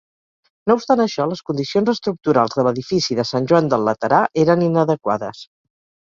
No obstant això, les condicions estructurals de l'edifici de Sant Joan del Laterà eren inadequades.